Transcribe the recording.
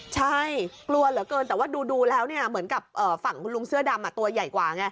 ใช่กลัวเหลือเกินแต่ว่าดูแล้วเหมือนกับฝั่งคุณลุงเสื้อดำตัวใหญ่กว่าไง